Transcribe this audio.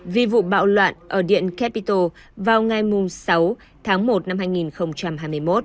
vì vụ bạo loạn ở điện capital vào ngày sáu tháng một năm hai nghìn hai mươi một